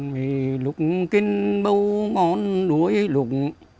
mì lục kinh bâu ngon đuối lục